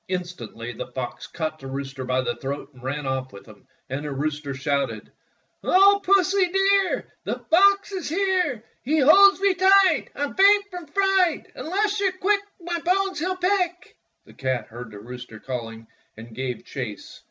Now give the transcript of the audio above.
Instantly the fox caught the rooster by the throat and ran oflf with him, and the rooster shouted: — "O Pussy, dear. The fox is here! He holds me tight — I 'm faint from fright. Unless you 're quick My bones he'll pick!" The cat heard the rooster calling and gave chase.